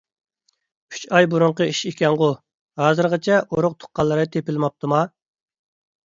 ئۈچ ئاي بۇرۇنقى ئىش ئىكەنغۇ؟ ھازىرغىچە ئۇرۇق تۇغقانلىرى تېپىلماپتىما؟